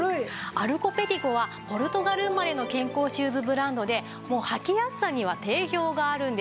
アルコペディコはポルトガル生まれの健康シューズブランドでもう履きやすさには定評があるんです。